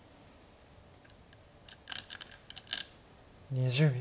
２０秒。